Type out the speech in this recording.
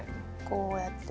こうやって。